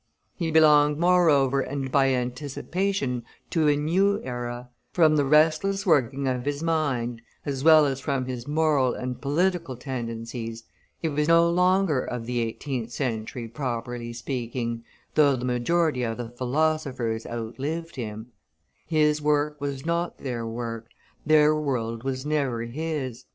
He belonged moreover and by anticipation to a new era; from the restless working of his mind, as well as from his moral and political tendencies, he was no longer of the eighteenth century properly speaking, though the majority of the philosophers outlived him; his work was not their work, their world was never his.